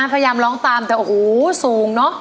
พยายามร้องตามแต่โอ้โหสูงเนอะ